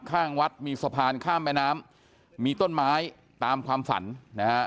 ข้างวัดมีสะพานข้ามแม่น้ำมีต้นไม้ตามความฝันนะฮะ